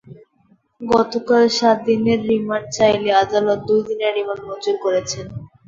গতকাল তাদের সাত দিনের রিমান্ড চাইলে আদালত দুই দিনের রিমান্ড মঞ্জুর করেছেন।